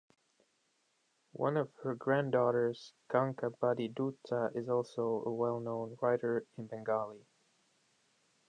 One of her granddaughters, Kankabati Dutta, is also a well-known writer in Bengali.